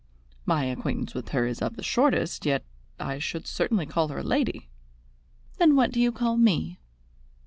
"My acquaintance with her is of the shortest, yet I should certainly call her a lady." "Then what do you call me?"